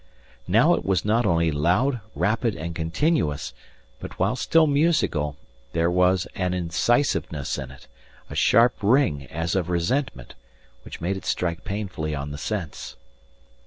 Now it was not only loud, rapid, and continuous, but, while still musical, there was an incisiveness in it, a sharp ring as of resentment, which made it strike painfully on the sense.